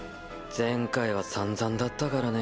前回は散々だったからね。